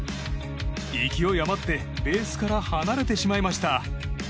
勢い余ってベースから離れてしまいました。